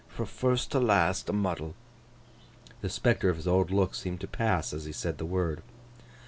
Fro' first to last, a muddle!' The spectre of his old look seemed to pass as he said the word.